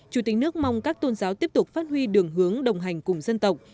chủ tịch nước mong các tôn giáo tiếp tục phát huy đường hướng đồng hành cùng dân tộc